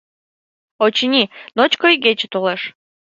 Очыни, ночко игече толеш.